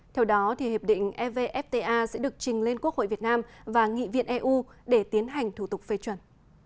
theo đó hiệp định evfta sẽ được trình lên quốc hội việt nam và nghị viện eu để tiến hành thủ tục phê chuẩn